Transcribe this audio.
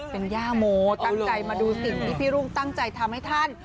เป็นย่าโมตั้งใจมาดูสิ่งที่พี่รุ่งตั้งใจทำให้ท่าน